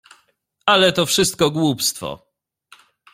"Ale to wszystko głupstwo."